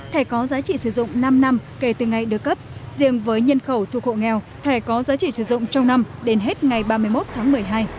thẻ có giá trị sử dụng năm năm kể từ ngày được cấp riêng với nhân khẩu thuộc hộ nghèo thẻ có giá trị sử dụng trong năm đến hết ngày ba mươi một tháng một mươi hai